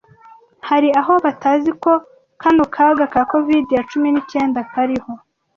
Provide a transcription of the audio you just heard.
Hari aho batazi ko kano kaga ka COVID ya cumi n'icyenda kariho